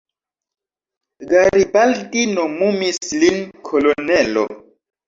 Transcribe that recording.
Garibaldi nomumis lin kolonelo.